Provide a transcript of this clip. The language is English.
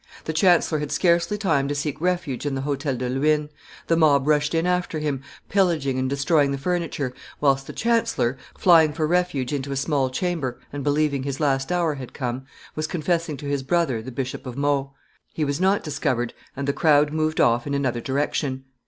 The chancellor had scarcely time to seek refuge in the Hotel de Luynes; the mob rushed in after him, pillaging and destroying the furniture, whilst the chancellor, flying for refuge into a small chamber, and believing his last hour had come, was confessing to his brother, the Bishop of Meaux. He was not discovered, and the crowd moved off in another direction.